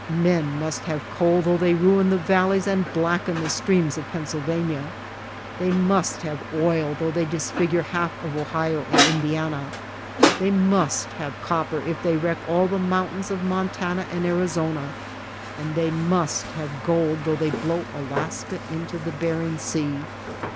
Men must have coal though they ruin the val leys and blacken the streams of Pennsylvania, they must have oil though they disfigure half of Ohio and Indiana, they must have copper if they wreck all the mountains of Montana and Arizona, and they must have gold though they blow Alaska into the Behring Sea.